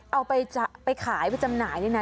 เอาไปขายไปจำหน่ายนี่นะ